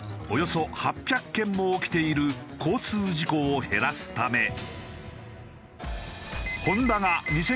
およそ８００件も起きている交通事故を減らすため。